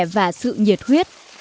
và sự nhiệt huyết